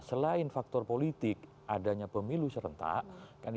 selain faktor politik adanya pemilu serentak